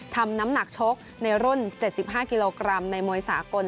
น้ำหนักชกในรุ่น๗๕กิโลกรัมในมวยสากล